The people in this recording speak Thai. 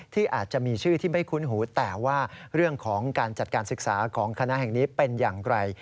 ที่อาจจะมีชื่อที่ไม่คุ้นหูแต่ว่าเรื่องของการจัดการศึกษาของคณะแห่งนี้เป็นอย่างไร